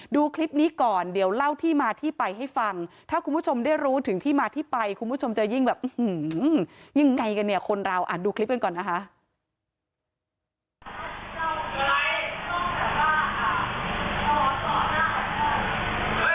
ดูคลิปนี้ก่อนเดี๋ยวเล่าที่มาที่ไปให้ฟังถ้าคุณผู้ชมได้รู้ถึงที่มาที่ไปคุณผู้ชมจะยิ่งแบบอื้อหือยังไงกันเนี่ยคนเราอ่ะดูคลิปกันก่อนนะคะ